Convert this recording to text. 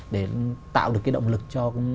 để tạo được cái động lực cho